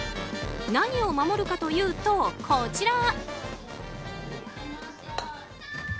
何を守るかというと、こちら。